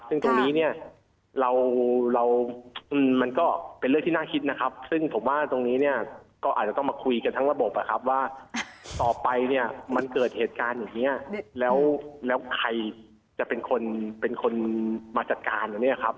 ซึ่งตรงนี้เนี่ยเรามันก็เป็นเรื่องที่น่าคิดนะครับซึ่งผมว่าตรงนี้เนี่ยก็อาจจะต้องมาคุยกันทั้งระบบนะครับว่าต่อไปเนี่ยมันเกิดเหตุการณ์อย่างนี้แล้วใครจะเป็นคนเป็นคนมาจัดการนะครับ